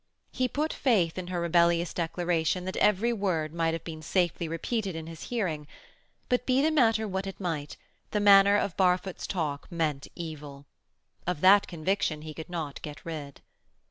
He put faith in her rebellious declaration that every word might have been safely repeated in his hearing, but, be the matter what it might, the manner of Barfoot's talk meant evil. Of that conviction he could not get rid.